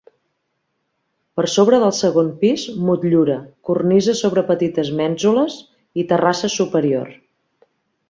Per sobre del segon pis, motllura, cornisa sobre petites mènsules i terrassa superior.